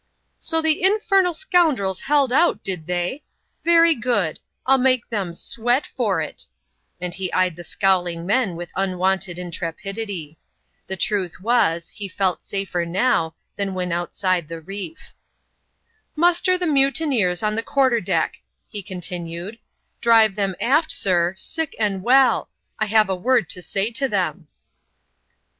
" So the infernal scoundrels held out — did they? Very good; rU make them sweat for it," and he eyed the scowling men witl unwonted intrepidity. The truth was, he felt safer notr, thai when outside the reef. " Muster the mutineers on the quarter deck," he continued " Drive them aft, sir, sick and well : I have a word to say tc them."